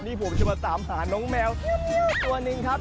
นี่ผมจะมาตามหาน้องแมวตัวหนึ่งครับ